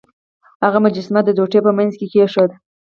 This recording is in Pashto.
هغه مجسمه د ټوټې په مینځ کې کیښوده.